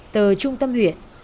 từ trung tâm huyện